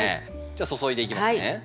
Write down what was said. じゃあ注いでいきますね。